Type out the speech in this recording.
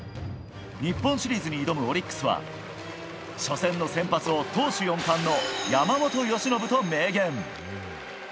日本シリーズに挑むオリックスは初戦の先発を投手４冠の山本由伸と明言。